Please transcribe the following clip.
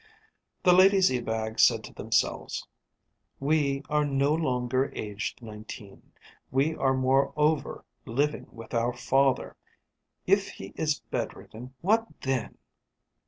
The ladies Ebag said to themselves: "We are no longer aged nineteen. We are moreover living with our father. If he is bedridden, what then?